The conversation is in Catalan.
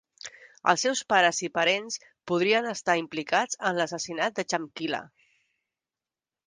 Els seus pares i parents podrien estar implicats en l'assassinat de Chamkila.